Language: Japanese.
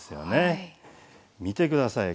見て下さい。